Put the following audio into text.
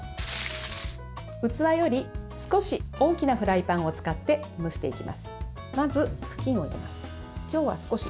器より少し大きなフライパンを使って蒸していきます。